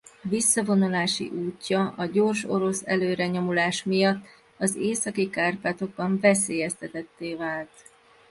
Visszavonulási útja a gyors orosz előrenyomulás miatt az Északi–Kárpátokban veszélyeztetetté vált.